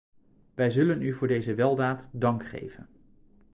Wij zullen u voor deze weldaad dank geven.